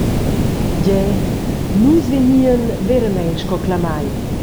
Gie, nus vegnîen veramein sco clamai.